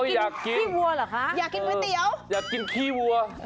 อยากกินก๋วยเตี๋ยวอยากกินก๋วยเตี๋ยว